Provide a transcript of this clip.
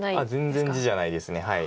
全然地じゃないです。